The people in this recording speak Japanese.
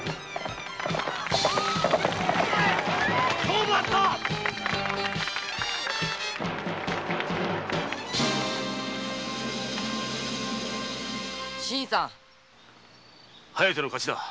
勝負あった新さん「疾風」の勝ちだ。